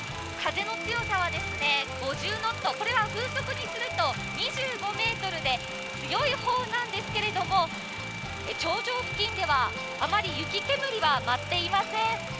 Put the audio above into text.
風の強さは５０ノット、これは風速にすると２５メートルで強い方なんですけれども、頂上付近ではあまり雪煙は舞っていません。